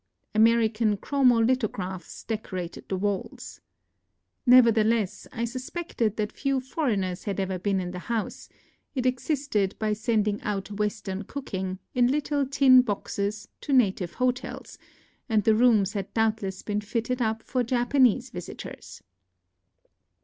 American chro mo lithographs decorated the walls. Never theless, I suspected that few foreigners had ever been in the house : it existed by sending out Western cooking, in little tin boxes, to native hotels ; and the rooms had doubtless been fitted up for Japanese visitors.